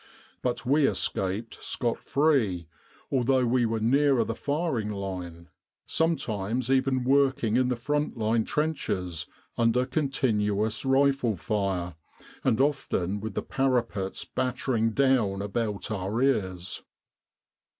But we escaped scot free, although we were nearer the firing line, sometimes even working in the front line trenches under continuous rifle fire, and often with the parapets battering down about our ears.